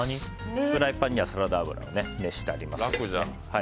フライパンにはサラダ油を熱してあります。